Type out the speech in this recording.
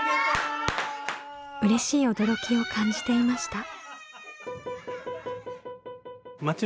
うれしい驚きを感じていました。